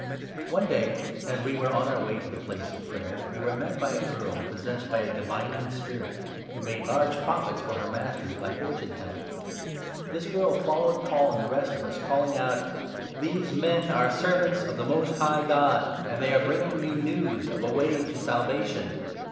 One day, as we were on our way to the Place of Prayer, we 16 were met by a girl possessed by a divining spirit, who made large profits for her masters by fortune telling. This girl 17 followed Paul and the rest of us, calling out : "These men are servants of the most high God, and they are bringing you news of a way to Salvation."